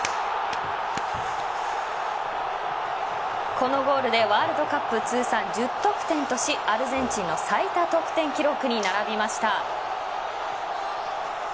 このゴールでワールドカップ通算１０得点としアルゼンチンの最多得点記録に並びました。